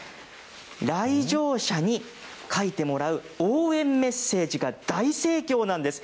来場者に書いてもらう応援メッセージが大盛況なんです。